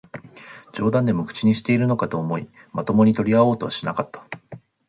冗談でも口にしているのかと思い、まともに取り合おうとはしなかった